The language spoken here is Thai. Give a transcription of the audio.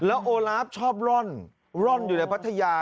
โอลาฟชอบร่อนร่อนอยู่ในพัทยา